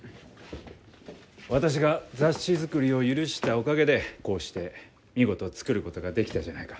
私が雑誌作りを許したおかげでこうして見事作ることができたじゃないか。